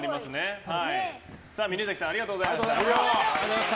峯崎さんありがとうございました。